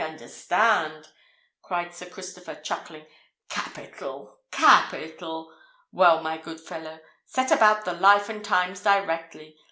I understand!" cried Sir Christopher, chuckling. "Capital! capital! Well, my good fellow, set about the Life and Times directly.